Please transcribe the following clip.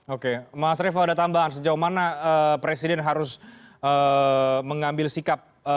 oke mas revo ada tambahan sejauh mana presiden harus mengambil sikap